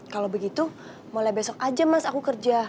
kalau begitu mulai besok aja mas aku kerja